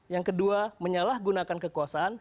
yang kedua menyalahgunakan kekuasaan